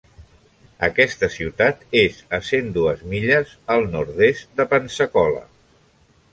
Aquesta ciutat és a cent dues milles al nord-est de Pensacola.